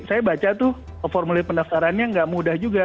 saya baca tuh formulir pendaftarannya nggak mudah juga